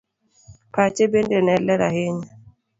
Pache bende ne ler ahinya